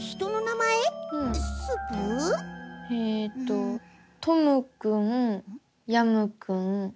えとトムくんヤムくん。